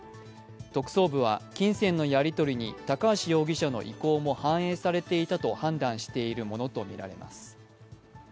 特捜部は金銭のやり取りに高橋容疑者の意向も反映されていたと判断しているものとみられます。